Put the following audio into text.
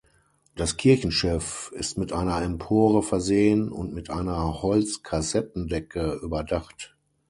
Das Kirchenschiff ist mit einer Empore versehen und mit einer Holz-Kassettendecke überdacht.